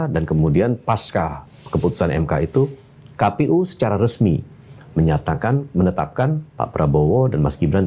dan kemudian pas keputusan mk itu kpu secara resmi menetapkan pak prabowo dan mas gibran